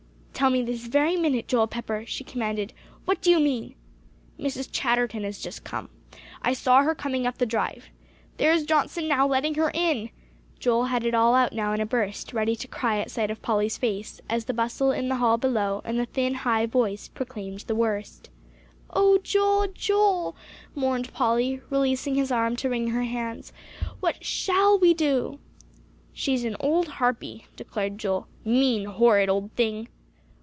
"Tell me this very minute, Joel Pepper," she commanded, "what do you mean?" "Mrs. Chatterton has just come. I saw her coming up the drive. There's Johnson now letting her in." Joel had it all out now in a burst, ready to cry at sight of Polly's face, as the bustle in the hall below and the thin, high voice proclaimed the worst. "Oh, Joel, Joel!" mourned Polly, releasing his arm to wring her hands. "What shall we do?" "She's an old harpy," declared Joel; "mean, horrid, old thing!"